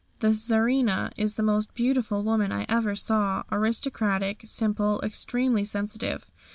The Czarina is the most beautiful woman I ever saw, aristocratic, simple, extremely sensitive.